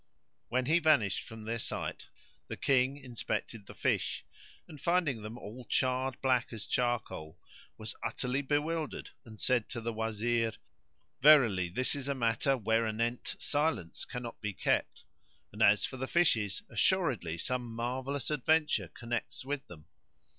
When he vanished from their sight the King inspected the fish; and finding them all charred black as charcoal, was utterly bewildered and said to the Wazir, "Verily this is a matter whereanent silence cannot be kept, and as for the fishes, assuredly some marvellous adventure connects with them."